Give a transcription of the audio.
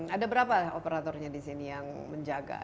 ada berapa operatornya di sini yang menjaga